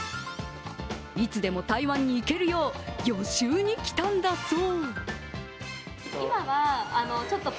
いつでも台湾に行けるよう予習に来たんだそう。